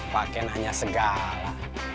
pak ken hanya segala